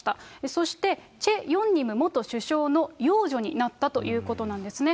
そしてチェ・ヨンニム元首相の養女になったということなんですね。